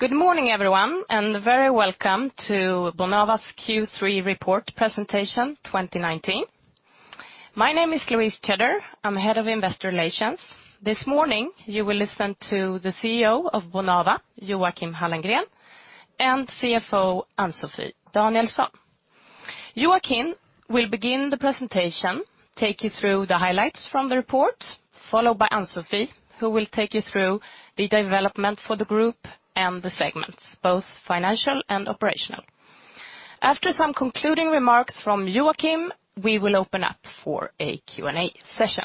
Good morning, everyone, very welcome to Bonava's Q3 report presentation 2019. My name is Louise Tjeder, I'm Head of Investor Relations. This morning you will listen to the CEO of Bonava, Joachim Hallengren, and CFO Ann-Sofi Danielsson. Joachim will begin the presentation, take you through the highlights from the report, followed by Ann-Sofi, who will take you through the development for the group and the segments, both financial and operational. After some concluding remarks from Joachim, we will open up for a Q&A session.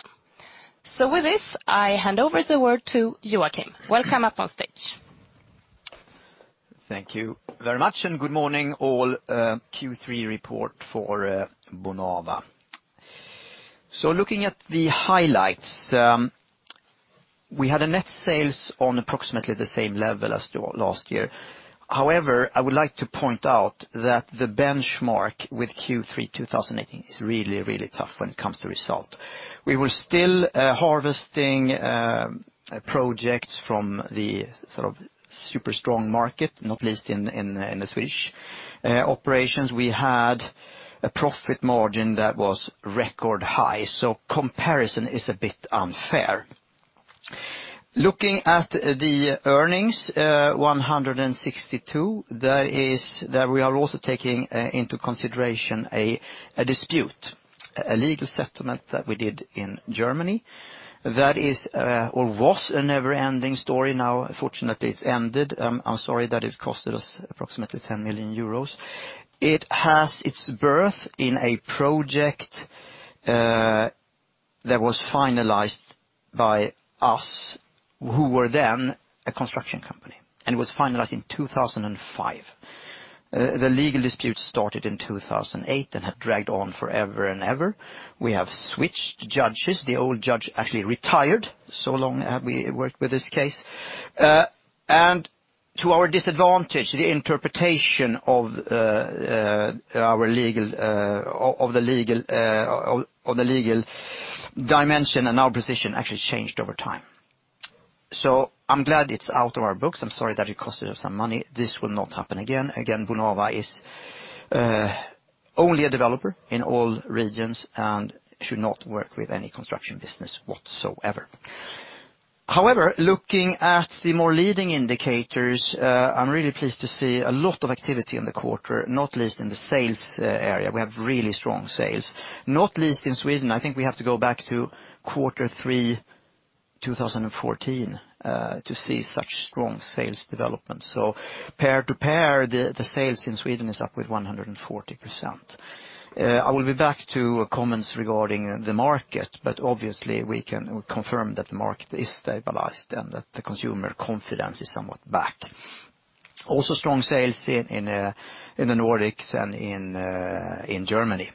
With this, I hand over the word to Joachim. Welcome up on stage. Thank you very much, good morning all. Q3 report for Bonava. Looking at the highlights, we had a net sales on approximately the same level as last year. However, I would like to point out that the benchmark with Q3 2018 is really tough when it comes to result. We were still harvesting projects from the super strong market, not least in the Swedish operations. We had a profit margin that was record high. Comparison is a bit unfair. Looking at the earnings, 162. There we are also taking into consideration a dispute, a legal settlement that we did in Germany. That was a never-ending story. Now, fortunately, it's ended. I'm sorry that it costed us approximately 10 million euros. It has its birth in a project that was finalized by us, who were then a construction company, and it was finalized in 2005. The legal dispute started in 2008, had dragged on forever and ever. We have switched judges. The old judge actually retired, so long have we worked with this case. To our disadvantage, the interpretation of the legal dimension and our position actually changed over time. I'm glad it's out of our books. I'm sorry that it costed us some money. This will not happen again. Again, Bonava is only a developer in all regions and should not work with any construction business whatsoever. However, looking at the more leading indicators, I'm really pleased to see a lot of activity in the quarter, not least in the sales area. We have really strong sales, not least in Sweden. I think we have to go back to Q3 2014 to see such strong sales development. Pair to pair, the sales in Sweden is up with 140%. I will be back to comments regarding the market, obviously we confirm that the market is stabilized and that the consumer confidence is somewhat back. Also strong sales in the Nordics and in Germany.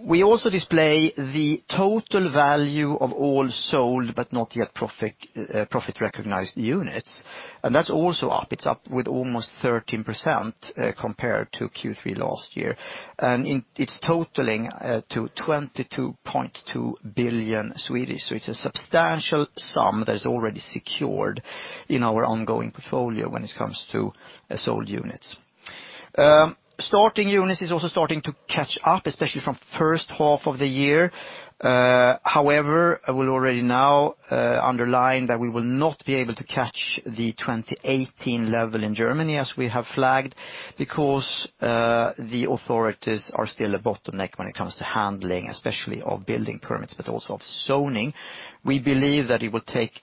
We also display the total value of all sold, but not yet profit-recognized units, that's also up. It's up with almost 13% compared to Q3 last year, it's totaling to 22.2 billion. It's a substantial sum that is already secured in our ongoing portfolio when it comes to sold units. Starting units is also starting to catch up, especially from first half of the year. However, I will already now underline that we will not be able to catch the 2018 level in Germany as we have flagged, because the authorities are still a bottleneck when it comes to handling, especially of building permits, but also of zoning. We believe that it will take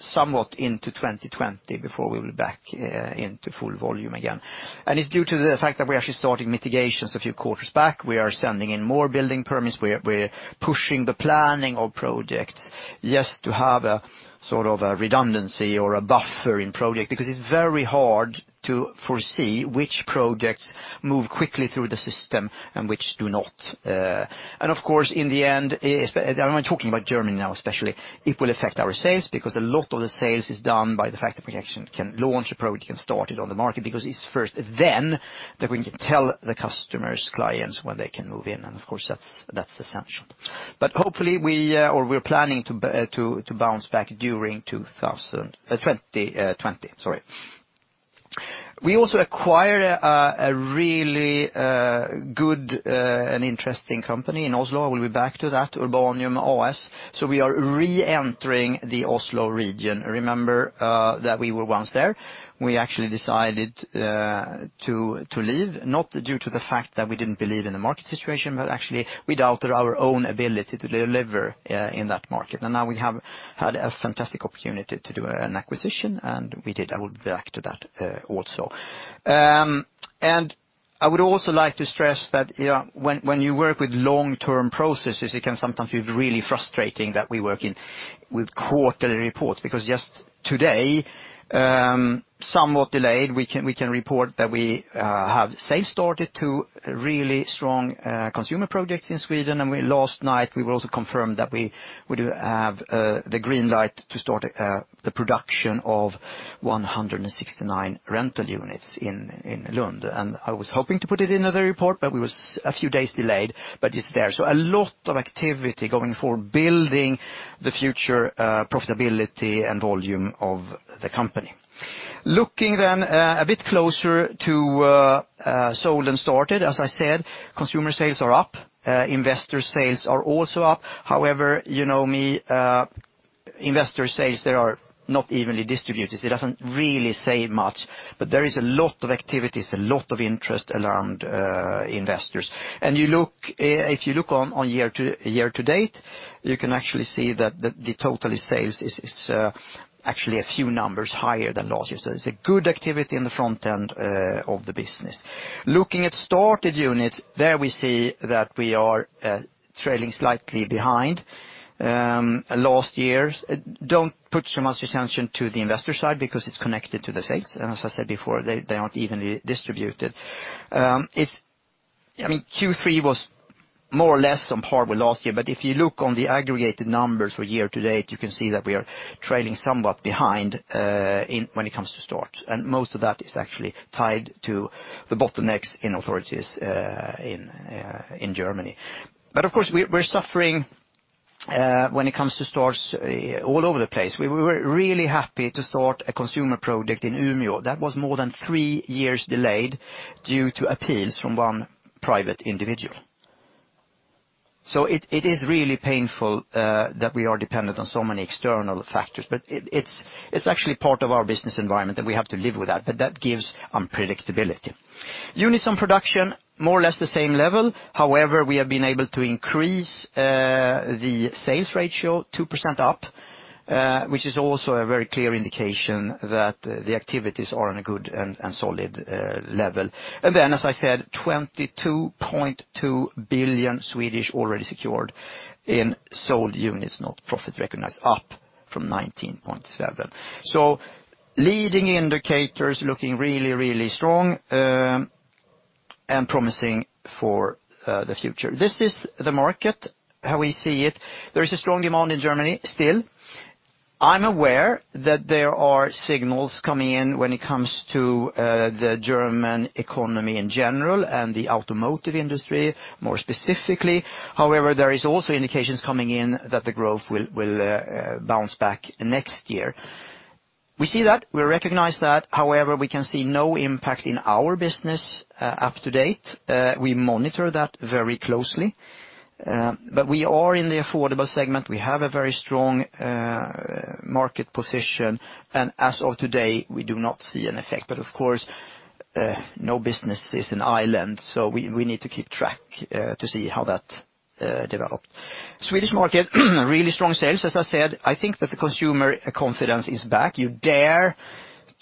somewhat into 2020 before we will be back into full volume again. It's due to the fact that we're actually starting mitigations a few quarters back. We are sending in more building permits. We're pushing the planning of projects. Yes, to have a redundancy or a buffer in project, because it's very hard to foresee which projects move quickly through the system and which do not. Of course, in the end, I'm talking about Germany now especially, it will affect our sales because a lot of the sales is done by the fact that we actually can launch a project and start it on the market because it's first then that we can tell the customers, clients when they can move in, and of course that's essential. Hopefully we are planning to bounce back during 2020. We also acquired a really good and interesting company in Oslo. I will be back to that, Urbanium AS. We are reentering the Oslo region. Remember that we were once there. We actually decided to leave, not due to the fact that we didn't believe in the market situation, but actually we doubted our own ability to deliver in that market. Now we have had a fantastic opportunity to do an acquisition, and we did. I will be back to that also. I would also like to stress that when you work with long-term processes, it can sometimes be really frustrating that we work with quarterly reports because just today, somewhat delayed, we can report that we have sales started to really strong consumer projects in Sweden. Last night, we will also confirm that we do have the green light to start the production of 169 rental units in Lund. I was hoping to put it in another report, but it was a few days delayed, but it's there. A lot of activity going for building the future profitability and volume of the company. Looking then a bit closer to sold and started. As I said, consumer sales are up, investor sales are also up. However, you know me, investor sales there are not evenly distributed. It doesn't really say much, but there is a lot of activities, a lot of interest around investors. If you look on year to date, you can actually see that the total sales is actually a few numbers higher than last year. It's a good activity in the front end of the business. Looking at started units, there we see that we are trailing slightly behind last year's. Don't put too much attention to the investor side because it's connected to the sales, and as I said before, they aren't evenly distributed. Q3 was more or less on par with last year, if you look on the aggregated numbers for year to date, you can see that we are trailing somewhat behind when it comes to start. Most of that is actually tied to the bottlenecks in authorities in Germany. Of course, we're suffering when it comes to starts all over the place. We were really happy to start a consumer project in Umeå that was more than three years delayed due to appeals from one private individual. It is really painful that we are dependent on so many external factors. It's actually part of our business environment, and we have to live with that. That gives unpredictability. Units on production, more or less the same level. However, we have been able to increase the sales ratio 2% up, which is also a very clear indication that the activities are on a good and solid level. As I said, 22.2 billion already secured in sold units, not profit recognized, up from 19.7. Leading indicators looking really, really strong and promising for the future. This is the market, how we see it. There is a strong demand in Germany still. I'm aware that there are signals coming in when it comes to the German economy in general and the automotive industry more specifically. However, there is also indications coming in that the growth will bounce back next year. We see that, we recognize that. However, we can see no impact in our business up to date. We monitor that very closely. We are in the affordable segment. We have a very strong market position. As of today, we do not see an effect. Of course, no business is an island, so we need to keep track to see how that develops. Swedish market, really strong sales. As I said, I think that the consumer confidence is back. You dare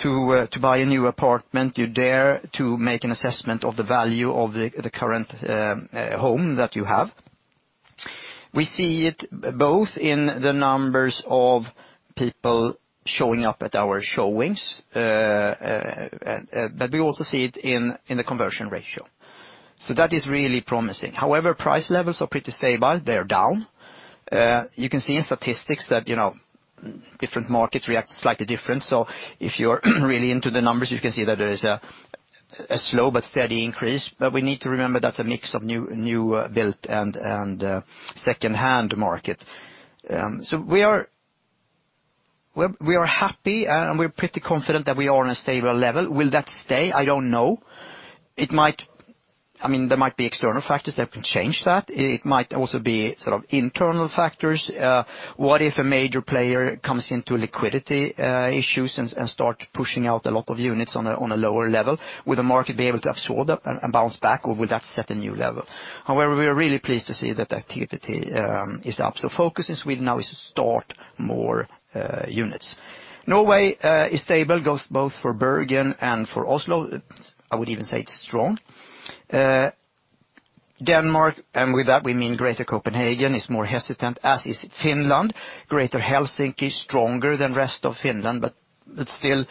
to buy a new apartment. You dare to make an assessment of the value of the current home that you have. We see it both in the numbers of people showing up at our showings, but we also see it in the conversion ratio. That is really promising. However, price levels are pretty stable. They're down. You can see in statistics that different markets react slightly different. If you're really into the numbers, you can see that there is a slow but steady increase. We need to remember that's a mix of new built and secondhand market. We are happy, and we're pretty confident that we are on a stable level. Will that stay? I don't know. There might be external factors that can change that. It might also be sort of internal factors. What if a major player comes into liquidity issues and start pushing out a lot of units on a lower level? Will the market be able to absorb that and bounce back, or will that set a new level? However, we are really pleased to see that activity is up. Focus in Sweden now is to start more units. Norway is stable, goes both for Bergen and for Oslo. I would even say it's strong. Denmark, with that we mean Greater Copenhagen, is more hesitant, as is Finland. Greater Helsinki is stronger than rest of Finland, it's still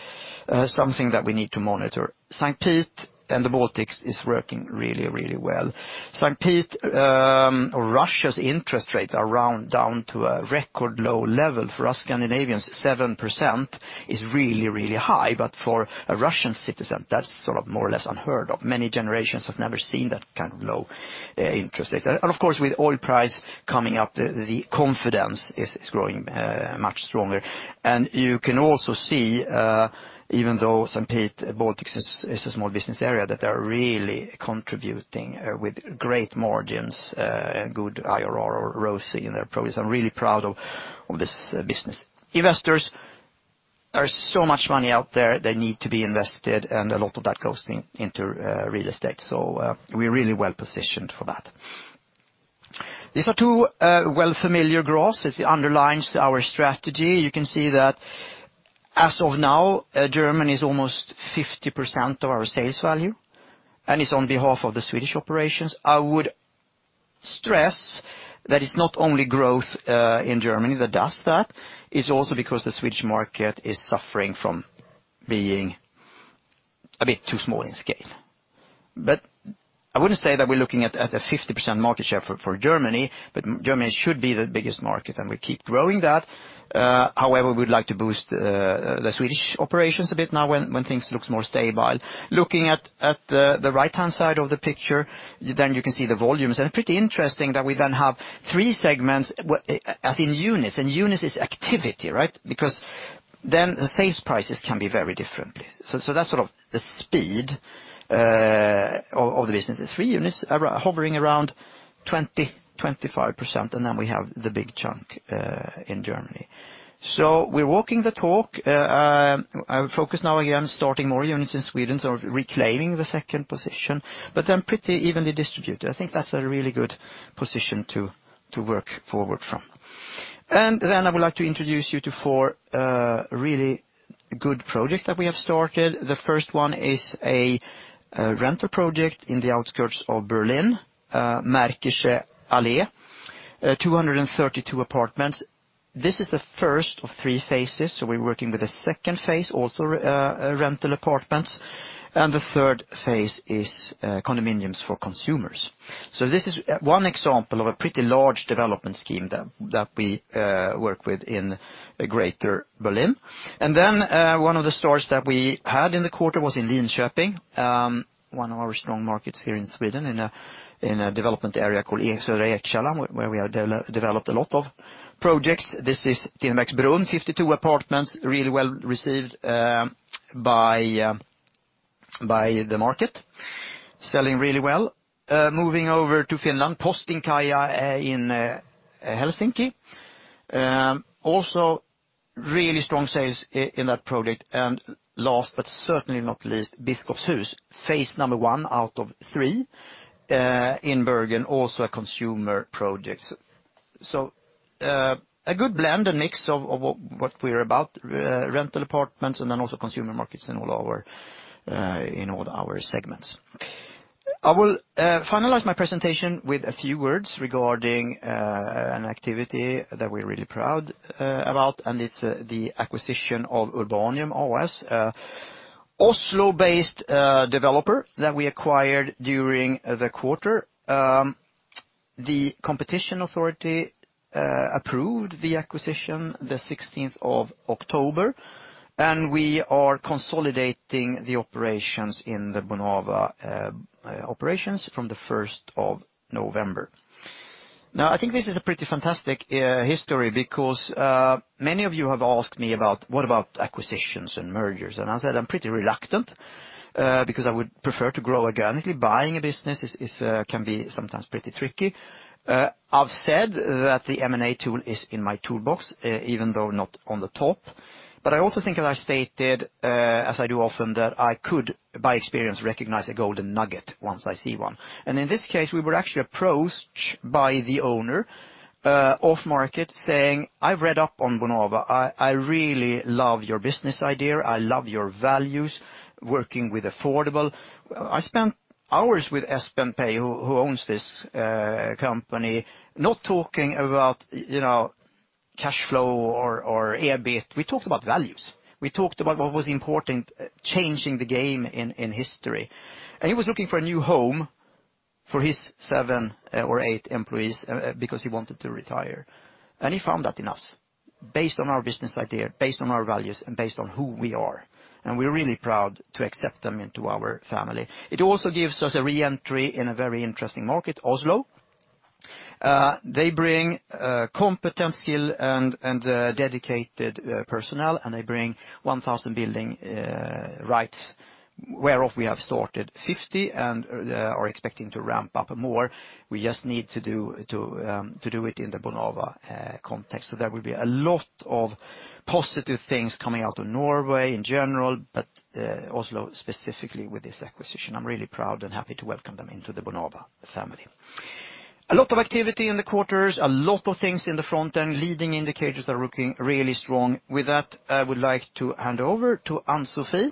something that we need to monitor. St. Pete and the Baltics is working really, really well. St. Pete, Russia's interest rates are around down to a record low level. For us Scandinavians, 7% is really, really high. For a Russian citizen, that's sort of more or less unheard of. Many generations have never seen that kind of low interest rate. Of course, with oil price coming up, the confidence is growing much stronger. You can also see, even though St. Pete, Baltics is a small business area, that they are really contributing with great margins, good IRR or ROCE in their province. I'm really proud of this business. Investors, there's so much money out there that need to be invested, and a lot of that goes into real estate. We're really well-positioned for that. These are two well familiar graphs. It underlines our strategy. You can see that as of now, Germany is almost 50% of our sales value and is on behalf of the Swedish operations. I would stress that it's not only growth in Germany that does that. It's also because the Swedish market is suffering from being a bit too small in scale. I wouldn't say that we're looking at a 50% market share for Germany, but Germany should be the biggest market, and we keep growing that. However, we'd like to boost the Swedish operations a bit now when things looks more stable. Looking at the right-hand side of the picture, then you can see the volumes. Pretty interesting that we then have three segments, as in units. Units is activity, right? Then the sales prices can be very different. That's sort of the speed of the business. The three units are hovering around 20%, 25%, and then we have the big chunk in Germany. We're walking the talk. Our focus now, again, starting more units in Sweden, so reclaiming the second position. They're pretty evenly distributed. I think that's a really good position to work forward from. I would like to introduce you to four really good projects that we have started. The first one is a rental project in the outskirts of Berlin, Märkische Allee, 232 apartments. This is the first of 3 phases, so we're working with a second phase also, rental apartments. The third phase is condominiums for consumers. This is one example of a pretty large development scheme that we work with in greater Berlin. One of the starts that we had in the quarter was in Linköping. One of our strong markets here in Sweden in a development area called Södra Ekkällan, where we have developed a lot of projects. This is Tennax-bron, 52 apartments, really well received by the market. Selling really well. Moving over to Finland, Postinkuja in Helsinki. Also really strong sales in that project. Last, but certainly not least, Biskopshus. Phase number 1 out of 3 in Bergen, also a consumer project. A good blend and mix of what we're about. Rental apartments, and then also consumer markets in all our segments. I will finalize my presentation with a few words regarding an activity that we're really proud about, and it's the acquisition of Urbanium AS. Oslo-based developer that we acquired during the quarter. The competition authority approved the acquisition the 16th of October, and we are consolidating the operations in the Bonava operations from the 1st of November. I think this is a pretty fantastic history because many of you have asked me about what about acquisitions and mergers? I said, "I'm pretty reluctant because I would prefer to grow organically." Buying a business can be sometimes pretty tricky. I've said that the M&A tool is in my toolbox, even though not on the top. I also think, as I stated, as I do often, that I could by experience recognize a golden nugget once I see one. In this case, we were actually approached by the owner off market saying, "I've read up on Bonava. I really love your business idea. I love your values, working with affordable." I spent hours with Espen Moe, who owns this company, not talking about cash flow or EBIT. We talked about values. We talked about what was important, changing the game in history. He was looking for a new home for his seven or eight employees because he wanted to retire. He found that in us based on our business idea, based on our values, and based on who we are. We're really proud to accept them into our family. It also gives us a re-entry in a very interesting market, Oslo. They bring competence, skill, and dedicated personnel, and they bring 1,000 building rights, whereof we have started 50 and are expecting to ramp up more. We just need to do it in the Bonava context. There will be a lot of positive things coming out of Norway in general, but Oslo specifically with this acquisition. I'm really proud and happy to welcome them into the Bonava family. A lot of activity in the quarters, a lot of things in the front end. Leading indicators are looking really strong. With that, I would like to hand over to Ann-Sofi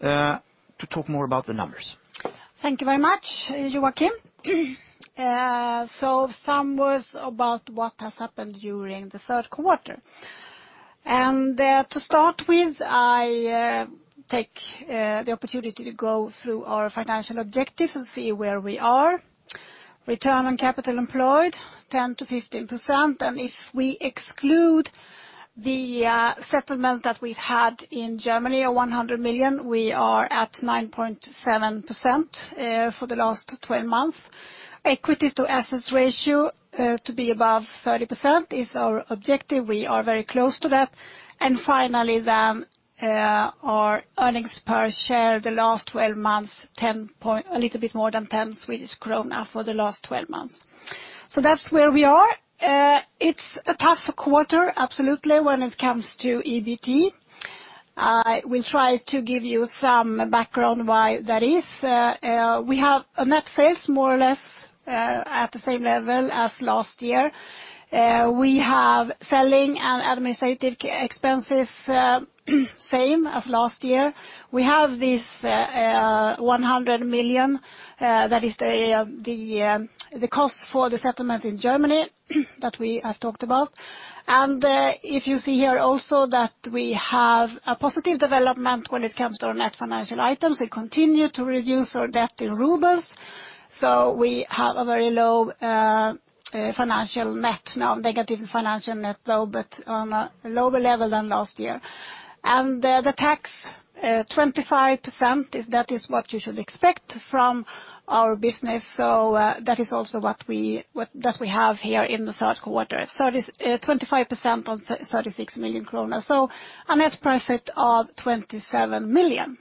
to talk more about the numbers. Thank you very much, Joachim. Some words about what has happened during the third quarter. To start with, I take the opportunity to go through our financial objectives and see where we are. Return on capital employed, 10%-15%. If we exclude the settlement that we've had in Germany of 100 million, we are at 9.7% for the last 12 months. Equities to assets ratio to be above 30% is our objective. We are very close to that. Finally, our earnings per share the last 12 months, a little bit more than 10 Swedish krona for the last 12 months. That's where we are. It's a tougher quarter, absolutely, when it comes to EBT. I will try to give you some background why that is. We have a net sales more or less at the same level as last year. We have selling and administrative expenses same as last year. We have this 100 million that is the cost for the settlement in Germany that we have talked about. If you see here also that we have a positive development when it comes to our net financial items. We continue to reduce our debt in RUB. We have a very low financial net now, negative financial net, but on a lower level than last year. The tax, 25%, that is what you should expect from our business. That is also what we have here in the third quarter. 25% on 36 million kronor. A net profit of 27 million.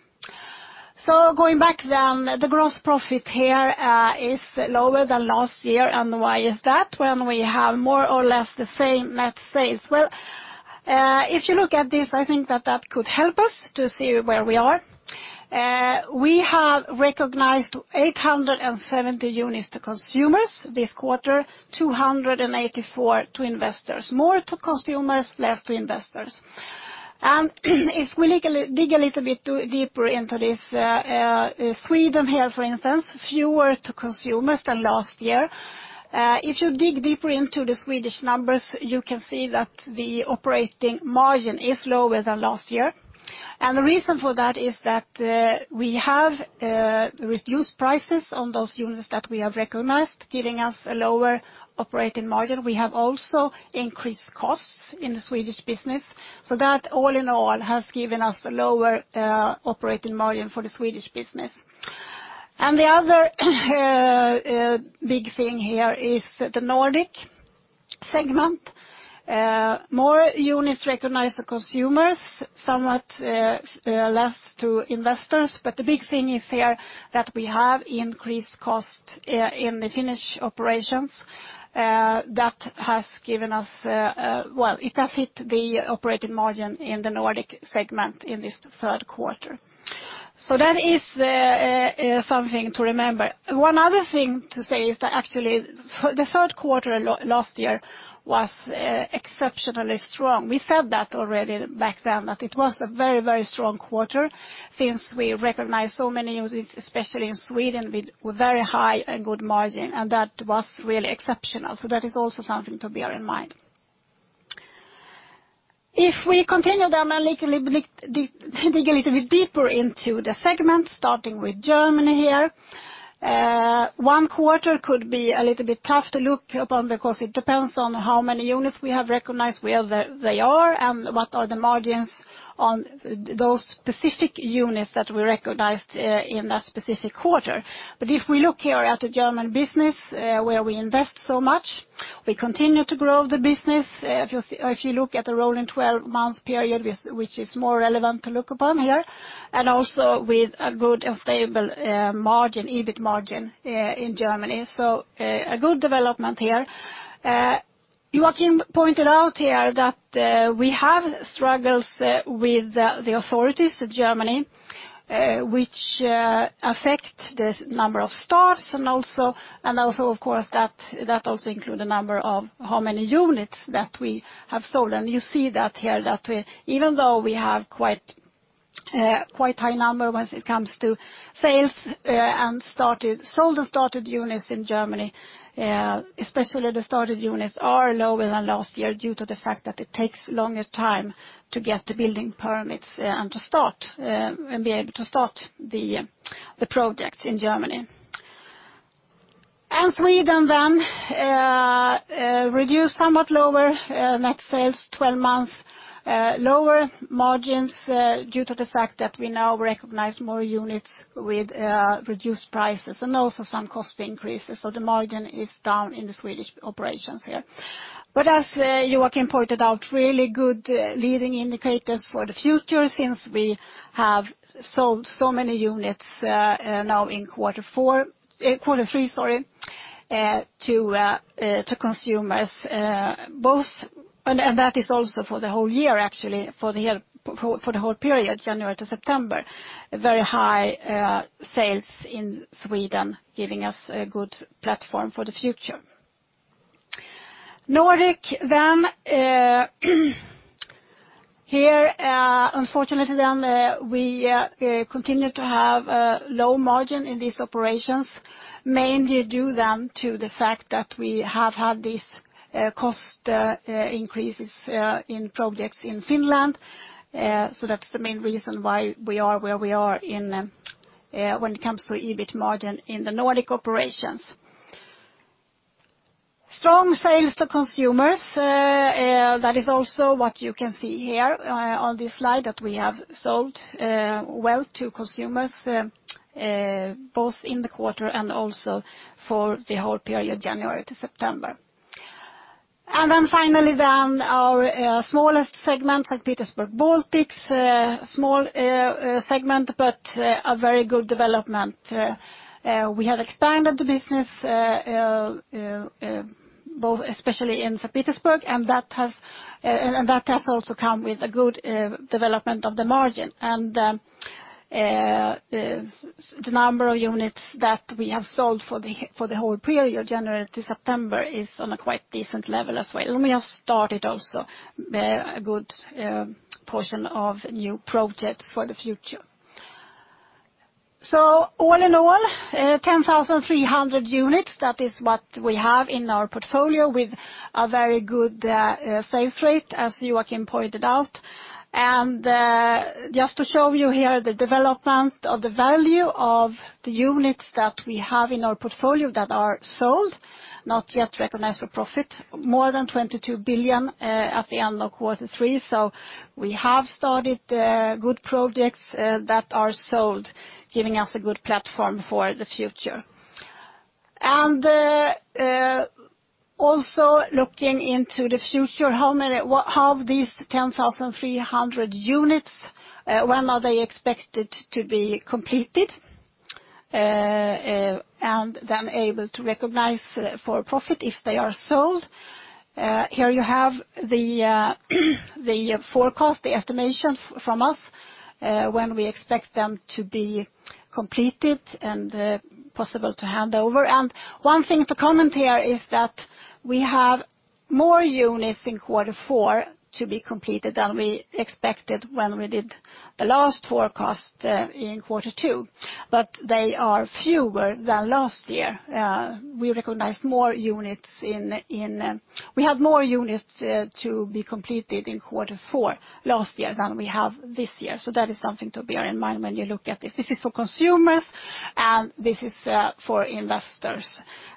Going back, the gross profit here is lower than last year. Why is that when we have more or less the same net sales? If you look at this, I think that that could help us to see where we are. We have recognized 870 units to consumers this quarter, 284 to investors. More to consumers, less to investors. If we dig a little bit deeper into this, Sweden here, for instance, fewer to consumers than last year. If you dig deeper into the Swedish numbers, you can see that the operating margin is lower than last year. The reason for that is that we have reduced prices on those units that we have recognized, giving us a lower operating margin. We have also increased costs in the Swedish business. That, all in all, has given us a lower operating margin for the Swedish business. The other big thing here is the Nordic segment. More units recognized to consumers, somewhat less to investors. The big thing is here that we have increased cost in the Finnish operations. That has hit the operating margin in the Nordic segment in this third quarter. That is something to remember. One other thing to say is that actually, the third quarter last year was exceptionally strong. We said that already back then, that it was a very strong quarter since we recognized so many units, especially in Sweden, with very high and good margin, and that was really exceptional. That is also something to bear in mind. If we continue then and dig a little bit deeper into the segment, starting with Germany here. One quarter could be a little bit tough to look upon because it depends on how many units we have recognized, where they are, and what are the margins on those specific units that we recognized in that specific quarter. If we look here at the German business, where we invest so much, we continue to grow the business. If you look at the rolling 12 months period, which is more relevant to look upon here, and also with a good and stable EBIT margin in Germany. A good development here. Joachim pointed out here that we have struggles with the authorities in Germany, which affect the number of starts and that also include the number of how many units that we have sold. You see that here, that even though we have quite high number once it comes to sales and sold and started units in Germany, especially the started units are lower than last year due to the fact that it takes longer time to get the building permits and be able to start the projects in Germany. Sweden then, reduced somewhat lower net sales 12 months, lower margins due to the fact that we now recognize more units with reduced prices and also some cost increases. The margin is down in the Swedish operations here. But as Joachim pointed out, really good leading indicators for the future since we have sold so many units now in quarter three to consumers. That is also for the whole year, actually, for the whole period, January to September. Very high sales in Sweden, giving us a good platform for the future. Nordic. Here, unfortunately, we continue to have a low margin in these operations, mainly due then to the fact that we have had these cost increases in projects in Finland. That's the main reason why we are where we are when it comes to EBIT margin in the Nordic operations. Strong sales to consumers. That is also what you can see here on this slide, that we have sold well to consumers, both in the quarter and also for the whole period, January to September. Finally, our smallest segment, St. Petersburg Baltics. A small segment, but a very good development. We have expanded the business especially in St. Petersburg, and that has also come with a good development of the margin. The number of units that we have sold for the whole period, January to September, is on a quite decent level as well. We have started also a good portion of new projects for the future. All in all, 10,300 units. That is what we have in our portfolio with a very good sales rate, as Joachim pointed out. Just to show you here the development of the value of the units that we have in our portfolio that are sold, not yet recognized for profit, more than 22 billion at the end of quarter three. We have started good projects that are sold, giving us a good platform for the future. Also looking into the future, how these 10,300 units, when are they expected to be completed, and then able to recognize for profit if they are sold. Here you have the forecast, the estimation from us, when we expect them to be completed and possible to hand over. One thing to comment here is that we have more units in quarter four to be completed than we expected when we did the last forecast in quarter two. They are fewer than last year. We had more units to be completed in quarter four last year than we have this year. That is something to bear in mind when you look at this. This is for consumers, and this is for investors.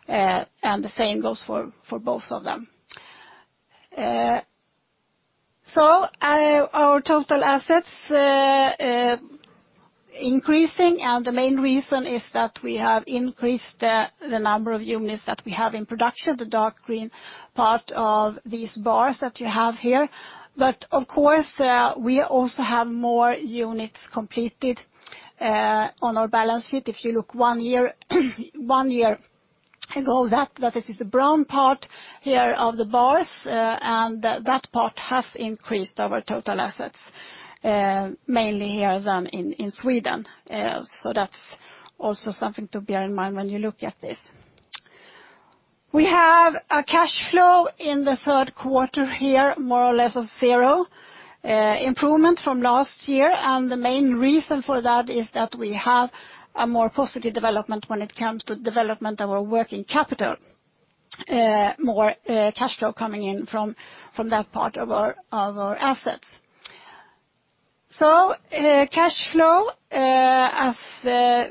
The same goes for both of them. Our total assets increasing. The main reason is that we have increased the number of units that we have in production, the dark green part of these bars that you have here. Of course, we also have more units completed on our balance sheet. If you look one year ago, that is the brown part here of the bars. That part has increased our total assets, mainly here than in Sweden. That's also something to bear in mind when you look at this. We have a cash flow in the third quarter here, more or less of zero improvement from last year. The main reason for that is that we have a more positive development when it comes to development of our working capital. More cash flow coming in from that part of our assets. Cash flow, as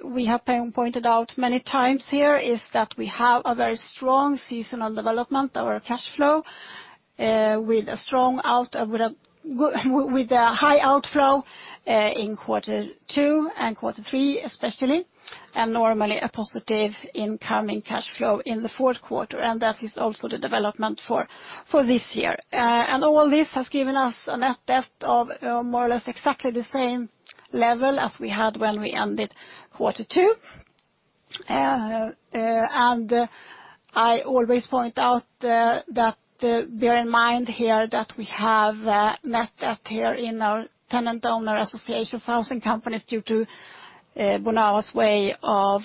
we have pointed out many times here, is that we have a very strong seasonal development of our cash flow with a high outflow in quarter two and quarter three especially, and normally a positive incoming cash flow in the fourth quarter. That is also the development for this year. All this has given us a net debt of more or less exactly the same level as we had when we ended quarter two. I always point out that bear in mind here that we have net debt here in our tenant-owner association housing companies due to Bonava's way of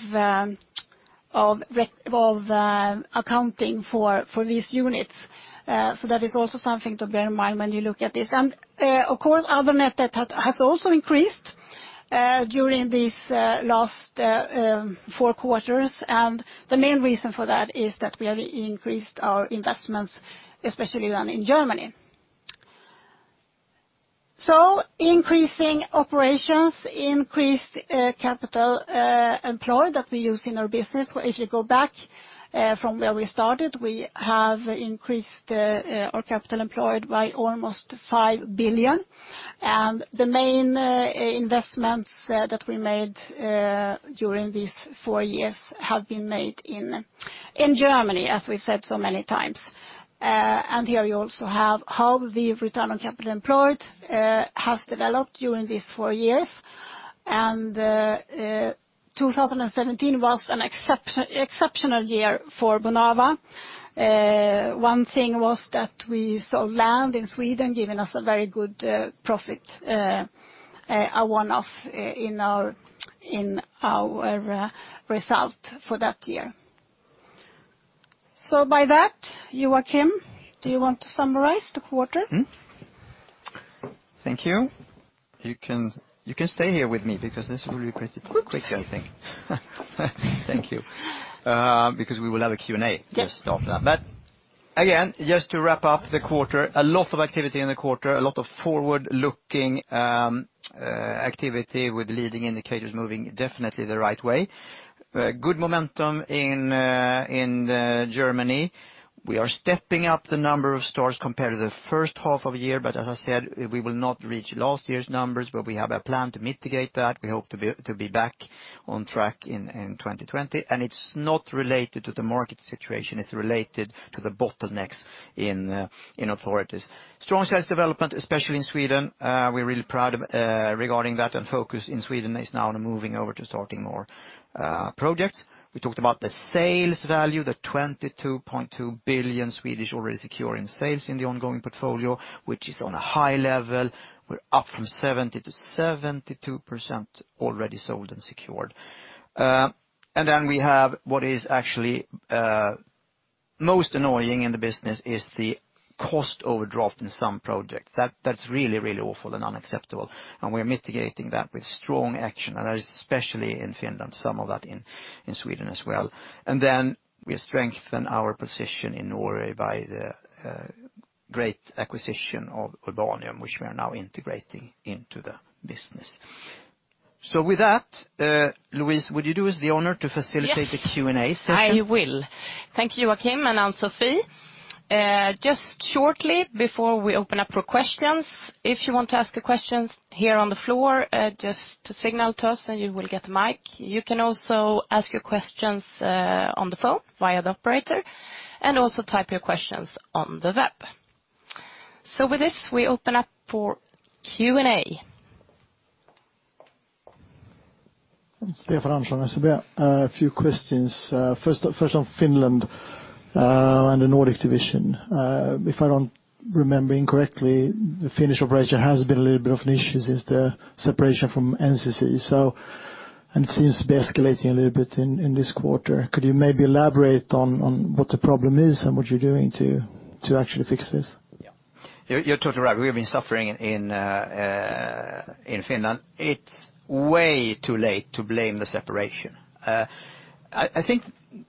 accounting for these units. That is also something to bear in mind when you look at this. Of course, other net debt has also increased during these last four quarters. The main reason for that is that we have increased our investments, especially than in Germany. Increasing operations, increased capital employed that we use in our business. If you go back from where we started, we have increased our capital employed by almost 5 billion. The main investments that we made during these four years have been made in Germany, as we've said so many times. Here you also have how the return on capital employed has developed during these four years. 2017 was an exceptional year for Bonava. One thing was that we sold land in Sweden, giving us a very good profit, a one-off in our result for that year. By that, Joachim, do you want to summarize the quarter? Thank you. You can stay here with me because this will be pretty quick, I think. Thank you. We will have a Q&A just after that. Yes. Again, just to wrap up the quarter, a lot of activity in the quarter, a lot of forward-looking activity with leading indicators moving definitely the right way. Good momentum in Germany. We are stepping up the number of stores compared to the first half of the year. As I said, we will not reach last year's numbers, but we have a plan to mitigate that. We hope to be back on track in 2020. It's not related to the market situation, it's related to the bottlenecks in authorities. Strong sales development, especially in Sweden. We're really proud regarding that, and focus in Sweden is now on moving over to starting more projects. We talked about the sales value, the 22.2 billion already secure in sales in the ongoing portfolio, which is on a high level. We're up from 70%-72% already sold and secured. We have what is actually most annoying in the business is the cost overdraft in some projects. That's really awful and unacceptable, and we are mitigating that with strong action, and that is especially in Finland, some of that in Sweden as well. We strengthen our position in Norway by the great acquisition of Urbanium, which we are now integrating into the business. With that, Louise, would you do us the honor to facilitate the Q&A session? Yes, I will. Thank you, Joachim and Ann-Sofi. Just shortly before we open up for questions, if you want to ask a question here on the floor, just signal to us, and you will get the mic. You can also ask your questions on the phone via the operator, and also type your questions on the web. With this, we open up for Q&A. Stefan Andersson, SEB. A few questions. First on Finland and the Nordic division. If I don't remember incorrectly, the Finnish operation has been a little bit of an issue since the separation from NCC, and it seems to be escalating a little bit in this quarter. Could you maybe elaborate on what the problem is and what you're doing to actually fix this? Yeah. You're totally right. We have been suffering in Finland. It's way too late to blame the separation. I think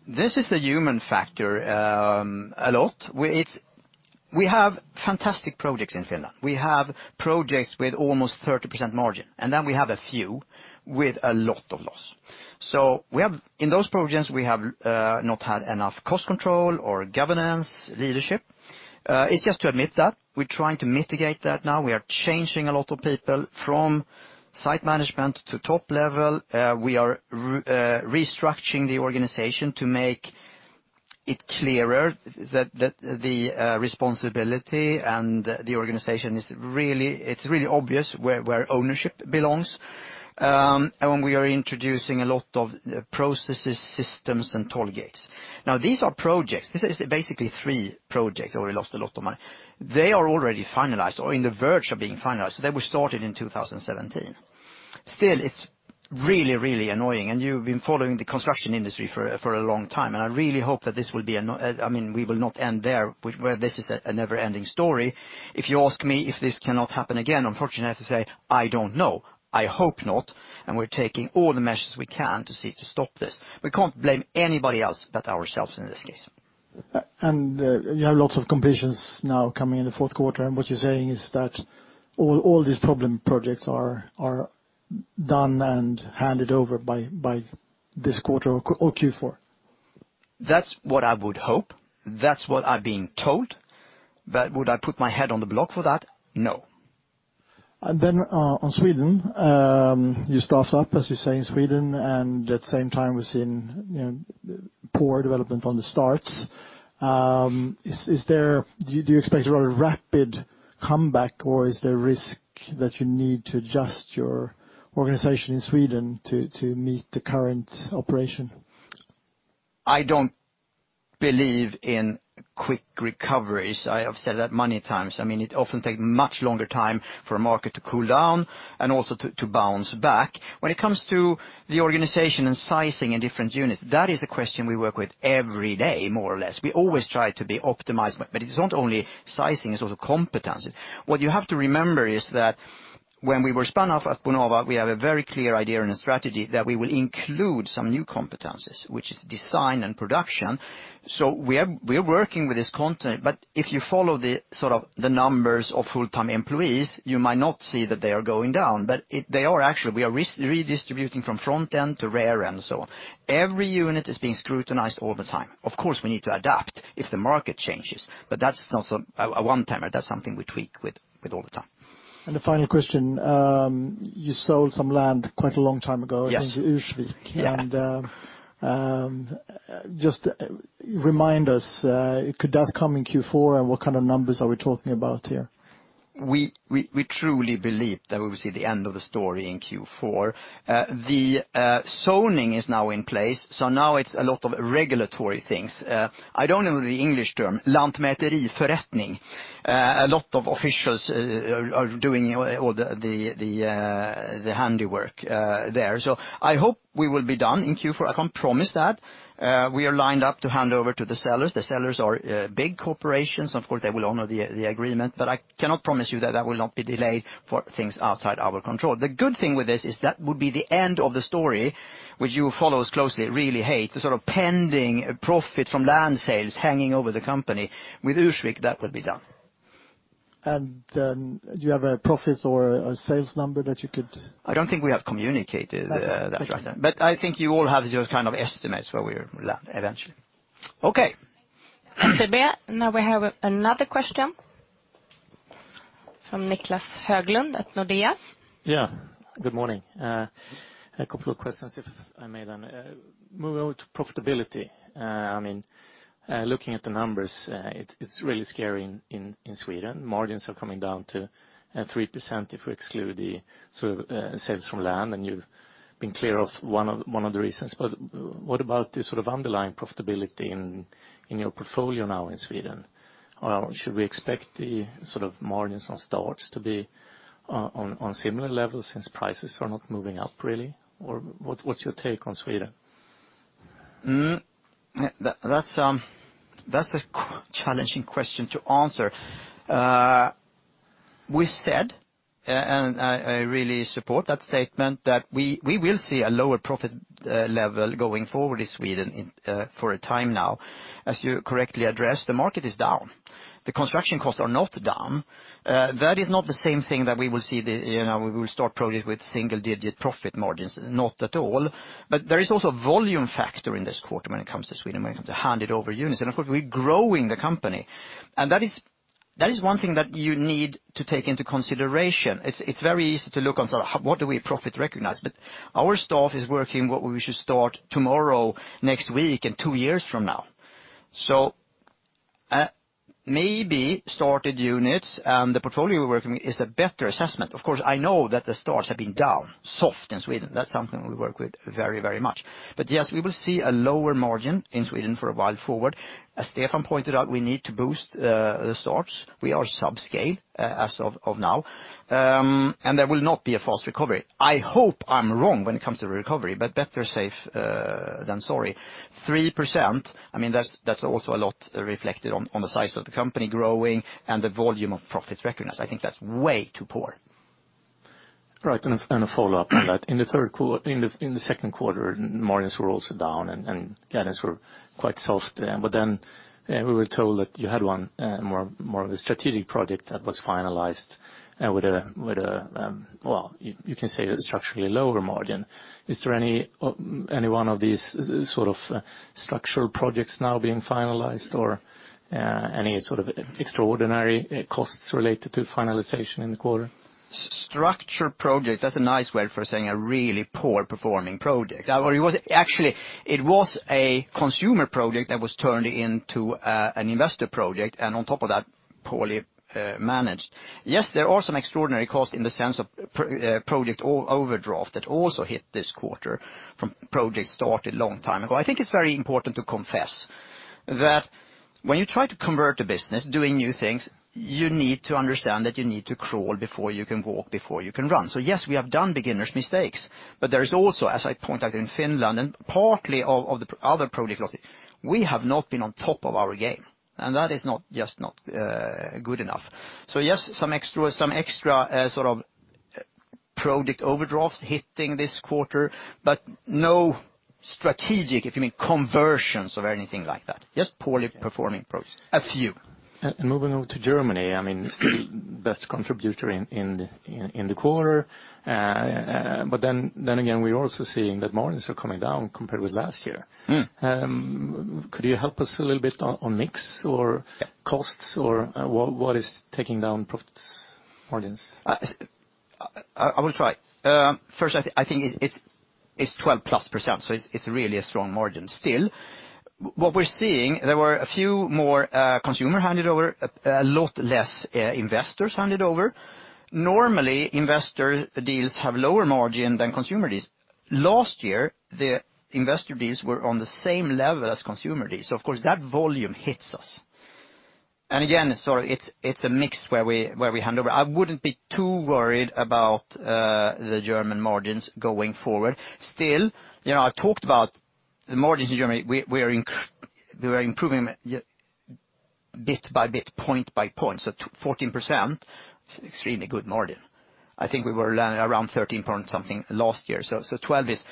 this is the human factor a lot. We have fantastic projects in Finland. We have projects with almost 30% margin, then we have a few with a lot of loss. In those projects, we have not had enough cost control or governance leadership. It's just to admit that. We're trying to mitigate that now. We are changing a lot of people from site management to top level. We are restructuring the organization to make it clearer that the responsibility and the organization, it's really obvious where ownership belongs. We are introducing a lot of processes, systems, and toll gates. Now, these are projects. These are basically three projects that we lost a lot of money. They are already finalized or in the verge of being finalized. They were started in 2017. Still, it's really annoying. You've been following the construction industry for a long time, and I really hope that this, I mean, we will not end there, where this is a never-ending story. If you ask me if this cannot happen again, unfortunately, I have to say, I don't know. I hope not, and we're taking all the measures we can to seek to stop this. We can't blame anybody else but ourselves in this case. You have lots of completions now coming in the fourth quarter, and what you're saying is that all these problem projects are done and handed over by this quarter or Q4? That's what I would hope. That's what I've been told. Would I put my head on the block for that? No. On Sweden, you staff up, as you say, in Sweden, and at the same time, we're seeing poor development on the starts. Do you expect a rapid comeback, or is there a risk that you need to adjust your organization in Sweden to meet the current operation? I don't believe in quick recoveries. I have said that many times. I mean, it often takes much longer time for a market to cool down and also to bounce back. When it comes to the organization and sizing in different units, that is a question we work with every day, more or less. We always try to be optimized, but it's not only sizing, it's also competencies. What you have to remember is that when we were spun off at Bonava, we have a very clear idea and a strategy that we will include some new competencies, which is design and production. We are working with this content, but if you follow the numbers of full-time employees, you might not see that they are going down, but they are actually. We are redistributing from front end to rear end and so on. Every unit is being scrutinized all the time. Of course, we need to adapt if the market changes, but that's not a one-timer. That's something we tweak with all the time. The final question, you sold some land quite a long time ago. Yes I think Ursvik. Yeah. Just remind us, could that come in Q4? What kind of numbers are we talking about here? We truly believe that we will see the end of the story in Q4. The zoning is now in place. Now it's a lot of regulatory things. I don't know the English term, "lantmäteriförrättning." A lot of officials are doing all the handy work there. I hope we will be done in Q4. I can't promise that. We are lined up to hand over to the sellers. The sellers are big corporations. Of course, they will honor the agreement, I cannot promise you that that will not be delayed for things outside our control. The good thing with this is that would be the end of the story, which you who follow us closely really hate, the pending profit from land sales hanging over the company. With Ursvik, that will be done. Do you have profits or a sales number that you could? I don't think we have communicated that right now. Okay. I think you all have your kind of estimates where we are eventually. Okay. SEB. We have another question from Niklas Höglund at Nordea. Good morning. A couple of questions, if I may then. Moving on to profitability. I mean, looking at the numbers, it's really scary in Sweden. Margins are coming down to 3% if we exclude the sales from land. You've been clear of one of the reasons, what about the underlying profitability in your portfolio now in Sweden? Should we expect the margins on starts to be on similar levels since prices are not moving up, really? What's your take on Sweden? That's a challenging question to answer. We said, I really support that statement, that we will see a lower profit level going forward in Sweden for a time now. As you correctly addressed, the market is down. The construction costs are not down. That is not the same thing that we will start projects with single-digit profit margins. Not at all. There is also a volume factor in this quarter when it comes to Sweden, when it comes to handed over units. Of course, we're growing the company. That is one thing that you need to take into consideration. It's very easy to look and say, "What do we profit recognize?" Our staff is working what we should start tomorrow, next week, and two years from now. Maybe started units and the portfolio we're working is a better assessment. Of course, I know that the starts have been down, soft in Sweden. That's something we work with very much. Yes, we will see a lower margin in Sweden for a while forward. As Stefan pointed out, we need to boost the starts. We are sub-scale as of now. There will not be a fast recovery. I hope I'm wrong when it comes to recovery, but better safe than sorry. 3%, that's also a lot reflected on the size of the company growing and the volume of profits recognized. I think that's way too poor. Right. A follow-up on that. In the second quarter, margins were also down, and earnings were quite soft. We were told that you had one more of a strategic project that was finalized with a, you can say, structurally lower margin. Is there any one of these structural projects now being finalized, or any sort of extraordinary costs related to finalization in the quarter? Structural project, that's a nice way for saying a really poor performing project. Actually, it was a consumer project that was turned into an investor project, and on top of that, poorly managed. Yes, there are some extraordinary costs in the sense of project overdraft that also hit this quarter from projects started long time ago. I think it's very important to confess that when you try to convert a business, doing new things, you need to understand that you need to crawl before you can walk, before you can run. Yes, we have done beginner's mistakes, but there is also, as I pointed out in Finland, and partly of the other project losses, we have not been on top of our game. That is just not good enough. Yes, some extra project overdrafts hitting this quarter, but no strategic, if you mean conversions or anything like that. Just poorly performing projects. A few. Moving over to Germany, it's the best contributor in the quarter. We are also seeing that margins are coming down compared with last year. Could you help us a little bit on mix or costs, or what is taking down profit margins? I will try. I think it's 12+%, so it's really a strong margin still. What we're seeing, there were a few more consumer handed over, a lot less investors handed over. Normally, investor deals have lower margin than consumer deals. Last year, the investor deals were on the same level as consumer deals. Of course, that volume hits us. Again, sorry, it's a mix where we hand over. I wouldn't be too worried about the German margins going forward. I talked about the margins in Germany. We are improving bit by bit, point by point. 14% is extremely good margin. I think we were around 13 point something last year. 12 is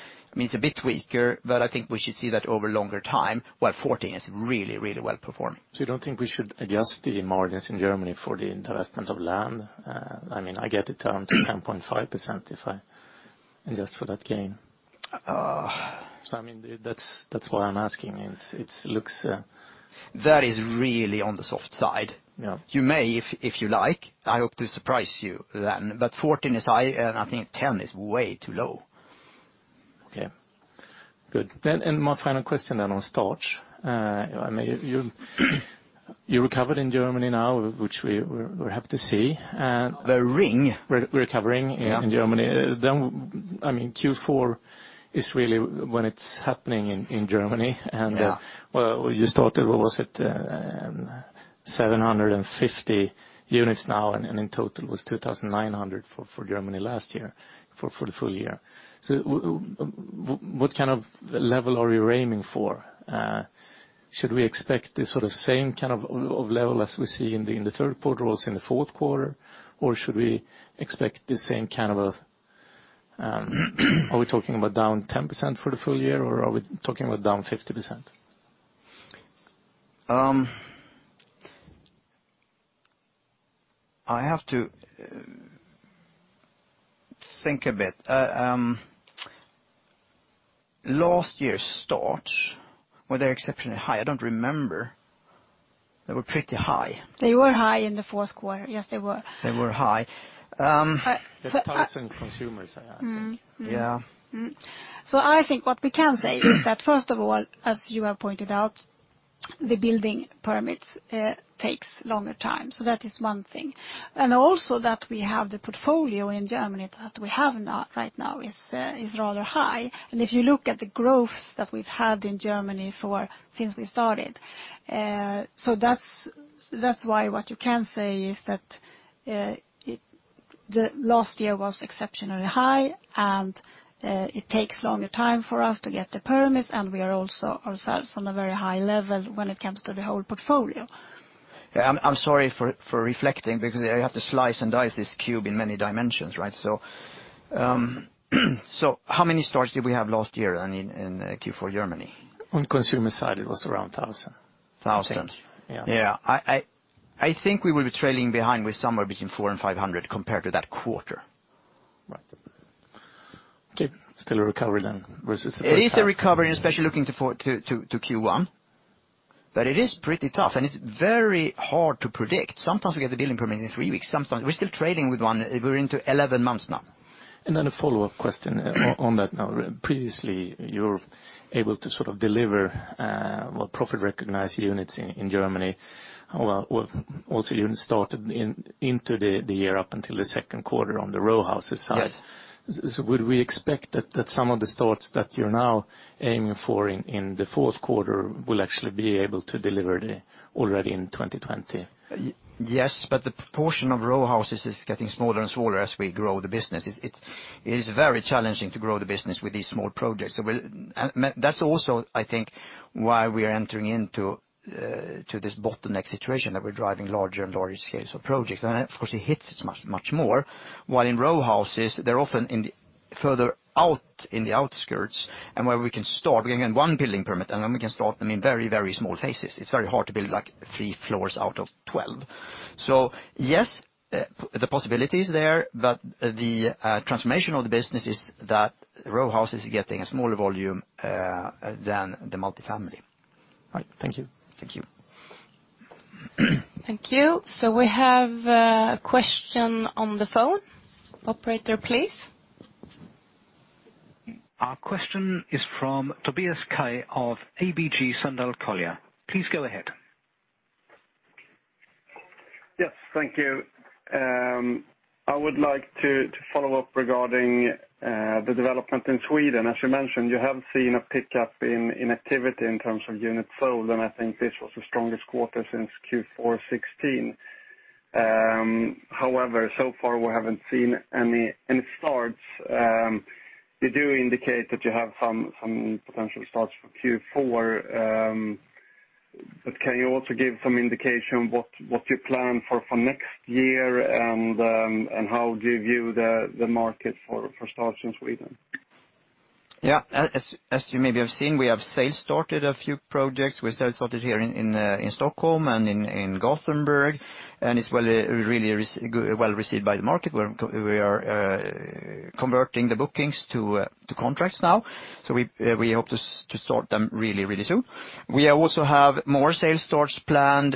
a bit weaker, but I think we should see that over longer time, while 14 is really well performed. You don't think we should adjust the margins in Germany for the investment of land? I get it down to 10.5% if I adjust for that gain. That's why I'm asking. That is really on the soft side. Yeah. You may, if you like. I hope to surprise you then. 14 is high, and I think 10 is way too low. Okay. Good. My final question then on starts. You recovered in Germany now, which we're happy to see. We're ring. We're recovering in Germany. Q4 is really when it's happening in Germany. Yeah. You started, what was it? 750 units now, and in total it was 2,900 for Germany last year for the full year. What kind of level are you aiming for? Should we expect the same kind of level as we see in the third quarter also in the fourth quarter? Are we talking about down 10% for the full year, or are we talking about down 50%? I have to think a bit. Last year's starts, were they exceptionally high? I don't remember. They were pretty high. They were high in the fourth quarter. Yes, they were. They were high. There's 1,000 consumers, I think. Yeah. I think what we can say is that, first of all, as you have pointed out, the building permits takes longer time. That is one thing. Also that we have the portfolio in Germany that we have right now is rather high. If you look at the growth that we've had in Germany since we started. That's why what you can say is that. The last year was exceptionally high, and it takes longer time for us to get the permits, and we are also ourselves on a very high level when it comes to the whole portfolio. Yeah, I'm sorry for reflecting because I have to slice and dice this cube in many dimensions, right? How many stores did we have last year in Q4 Germany? On consumer side, it was around 1,000. 1,000. Yeah. Yeah. I think we will be trailing behind with somewhere between 400 and 500 compared to that quarter. Right. Okay, still a recovery then versus the first half. It is a recovery, especially looking to Q1. It is pretty tough, and it is very hard to predict. Sometimes we get the building permit in three weeks. We are still trading with one. We are into 11 months now. A follow-up question on that now. Previously, you're able to sort of deliver, well, profit-recognized units in Germany. Well, also units started into the year up until the second quarter on the row houses side. Yes. Would we expect that some of the starts that you're now aiming for in the fourth quarter will actually be able to deliver already in 2020? Yes, the proportion of row houses is getting smaller and smaller as we grow the business. It is very challenging to grow the business with these small projects. That's also, I think, why we are entering into this bottleneck situation, that we're driving larger and larger scales of projects. Of course, it hits much more. While in row houses, they're often further out in the outskirts, and where we can start, we can get one building permit, and then we can start them in very, very small phases. It's very hard to build three floors out of 12. Yes, the possibility is there, but the transformation of the business is that row houses are getting a smaller volume than the multifamily. Right. Thank you. Thank you. Thank you. We have a question on the phone. Operator, please. Our question is from Tobias Kaj of ABG Sundal Collier. Please go ahead. Yes. Thank you. I would like to follow up regarding the development in Sweden. As you mentioned, you have seen a pickup in activity in terms of units sold, and I think this was the strongest quarter since Q4 2016. However, so far we haven't seen any starts. You do indicate that you have some potential starts for Q4, but can you also give some indication what you plan for next year, and how do you view the market for starts in Sweden? Yeah. As you maybe have seen, we have sales started a few projects. We sales started here in Stockholm and in Gothenburg, and it's really well-received by the market. We are converting the bookings to contracts now. We hope to start them really, really soon. We also have more sales starts planned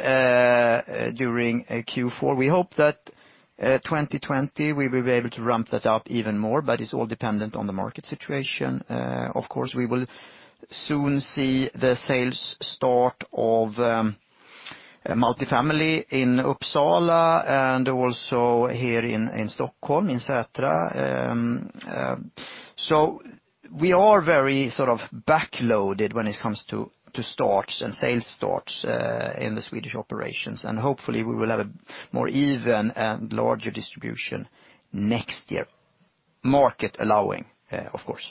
during Q4. We hope that 2020, we will be able to ramp that up even more, but it's all dependent on the market situation. Of course, we will soon see the sales start of multifamily in Uppsala and also here in Stockholm, in Sätra. We are very sort of backloaded when it comes to starts and sales starts in the Swedish operations, and hopefully, we will have a more even and larger distribution next year. Market allowing, of course.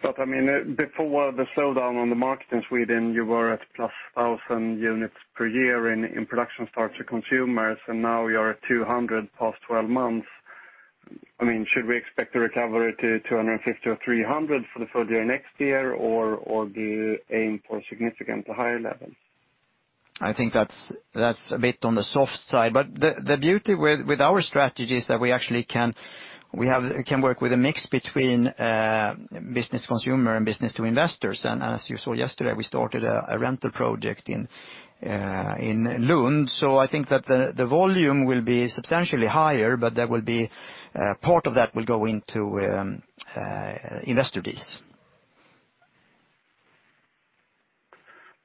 Before the slowdown on the market in Sweden, you were at plus 1,000 units per year in production starts for consumers, and now you are at 200 past 12 months. Should we expect a recovery to 250 or 300 for the full year next year, or do you aim for significantly higher levels? I think that's a bit on the soft side. The beauty with our strategy is that we actually can work with a mix between business consumer and business to investors. As you saw yesterday, we started a rental project in Lund. I think that the volume will be substantially higher, but part of that will go into investor deals.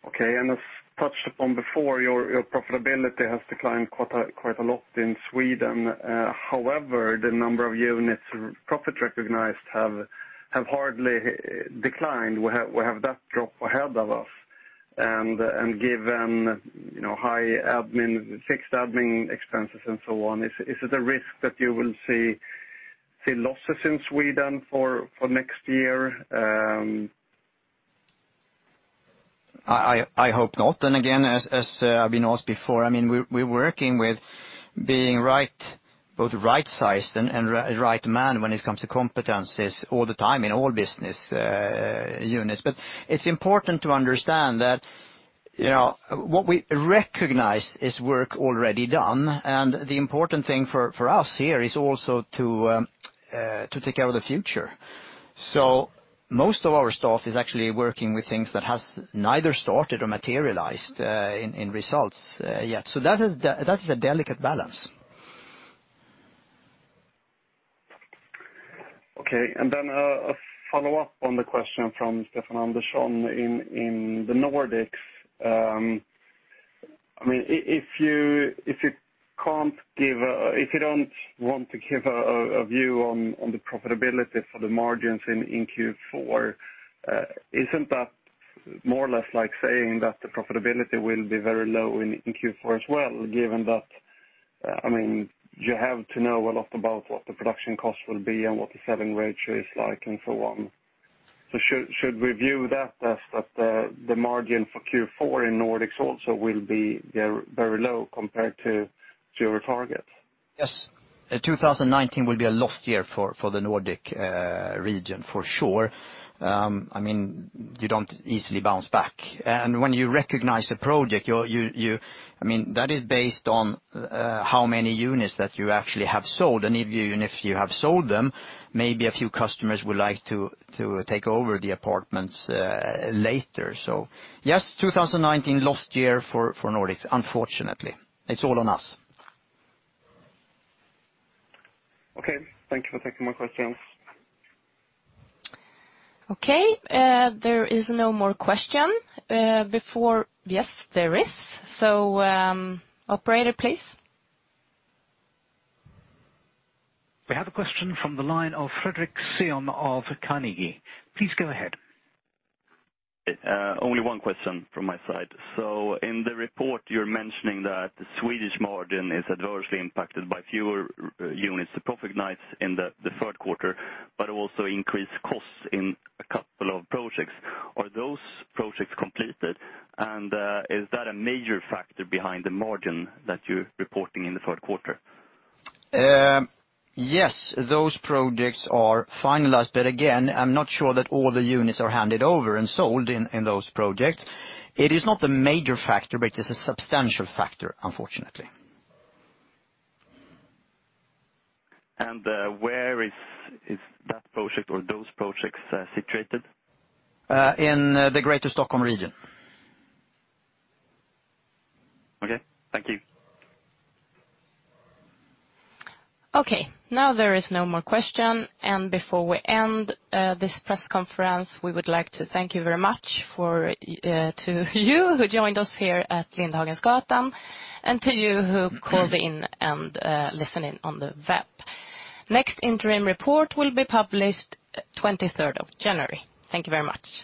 Okay. As touched upon before, your profitability has declined quite a lot in Sweden. However, the number of units profit recognized have hardly declined. We have that drop ahead of us. Given high fixed admin expenses and so on, is it a risk that you will see losses in Sweden for next year? I hope not. Again, as I've been asked before, we're working with being both right-sized and right-manned when it comes to competencies all the time in all business units. It's important to understand that what we recognize is work already done, and the important thing for us here is also to take care of the future. Most of our staff is actually working with things that has neither started or materialized in results yet. That is a delicate balance. Okay. A follow-up on the question from Stefan Andersson. In the Nordics, if you don't want to give a view on the profitability for the margins in Q4, isn't that more or less like saying that the profitability will be very low in Q4 as well, given that you have to know a lot about what the production cost will be and what the selling rate is like and so on. Should we view that as that the margin for Q4 in Nordics also will be very low compared to your targets? Yes. 2019 will be a lost year for the Nordic region for sure. You don't easily bounce back. When you recognize a project, that is based on how many units that you actually have sold. Even if you have sold them, maybe a few customers would like to take over the apartments later. Yes, 2019 lost year for Nordics, unfortunately. It's all on us. Okay. Thank you for taking my questions. Okay. There is no more question. Yes, there is. Operator, please. We have a question from the line of Fredric Cyon of Carnegie. Please go ahead. Only one question from my side. In the report, you're mentioning that the Swedish margin is adversely impacted by fewer units recognized in the third quarter, but also increased costs in a couple of projects. Are those projects completed, and is that a major factor behind the margin that you're reporting in the third quarter? Yes, those projects are finalized, again, I'm not sure that all the units are handed over and sold in those projects. It is not a major factor, it's a substantial factor, unfortunately. Where is that project or those projects situated? In the greater Stockholm region. Okay. Thank you. Okay. Now there is no more question, and before we end this press conference, we would like to thank you very much to you who joined us here at Lindhagensgatan, and to you who called in and listened in on the web. Next interim report will be published 23rd of January. Thank you very much.